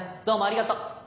どうもありがとう。